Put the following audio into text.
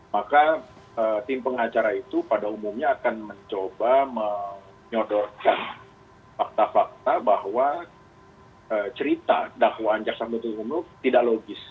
maka tim pengacara itu pada umumnya akan mencoba menyodorkan fakta fakta bahwa cerita dakwaan jaksa penuntut umum tidak logis